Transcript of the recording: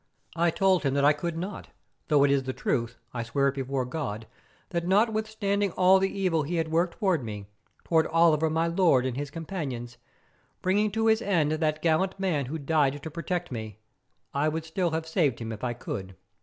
I told him that I could not, though it is the truth, I swear it before God, that, notwithstanding all the evil he had worked toward me, toward Oliver my lord, and his companions, bringing to his end that gallant man who died to protect me, I would still have saved him if I could.